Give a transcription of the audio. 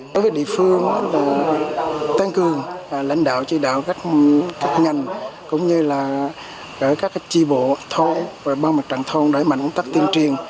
với địa phương tăng cường lãnh đạo chỉ đạo các ngành cũng như là các chi bộ thôn và ban mặt trạng thôn đối mạnh tắc tiên triền